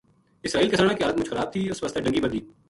اسرائیل کسانا کی حالت مُچ خراب تھی اس واسطے ڈَنگی بَدھی